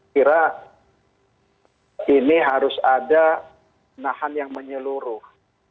kira ini harus ada nahan yang menyeluruh